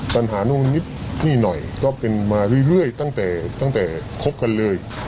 ปัญหานู่นนิดนี่หน่อยก็เป็นมาเรื่อยตั้งแต่ตั้งแต่คบกันเลย